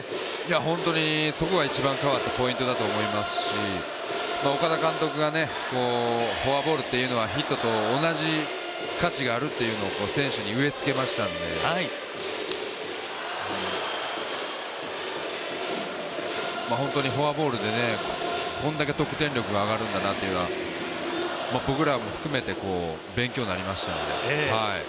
本当にそこが一番変わったポイントだと思いますし岡田監督がフォアボールというのはヒットと同じ価値があるというのを選手に植えつけましたので本当にフォアボールでこんだけ得点力が上がるんだなというのは、僕ら含めて勉強になりましたね。